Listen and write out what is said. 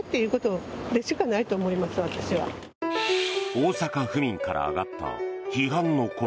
大阪府民から上がった批判の声。